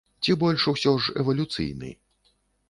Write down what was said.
Ці больш усё ж эвалюцыйны?